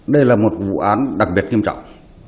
đây là một vụ án đặc biệt nghiêm trọng